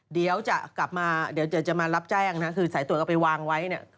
เดี๋ยวจะกลับมาจะมารับแจ้งนะคือสายตรวจเอาไปวางไว้